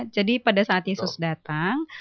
jadi pada saat yesus datang